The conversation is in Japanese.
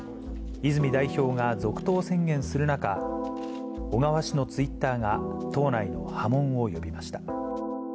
泉代表が続投宣言する中、小川氏のツイッターが党内の波紋を呼びました。